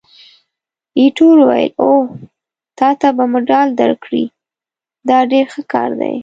ایټور وویل: اوه، تا ته به مډال درکړي! دا ډېر ښه کار دی.